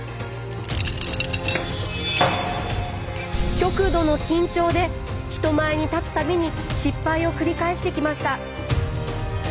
極度の緊張で人前に立つ度に失敗を繰り返してきました。